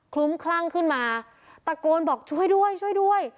ลุ้มคลั่งขึ้นมาตะโกนบอกช่วยด้วยช่วยด้วย